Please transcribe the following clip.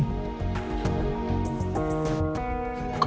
aku tidak ingin perdebol